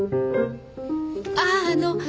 あああの。